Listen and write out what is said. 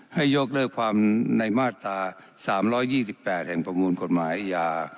ให้ยกเลิกความในมาตรา๓๒๘แห่งประมวลกฎหมายอาญา